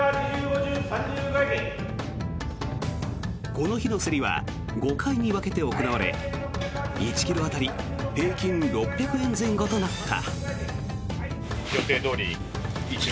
この日の競りは５回に分けて行われ１ｋｇ当たり平均６００円前後となった。